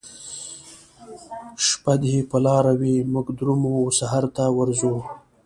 شپه دي په لاره وي موږ درومو وسحرته ورځو